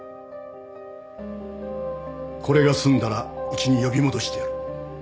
これが済んだらうちに呼び戻してやる。